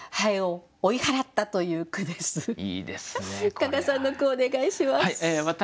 加賀さんの句お願いします。